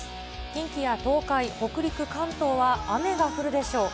近畿や東海、北陸、関東は雨が降るでしょう。